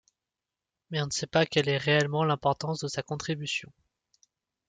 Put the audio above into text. Mais on ne sait pas quelle est réellement l'importance de sa contribution.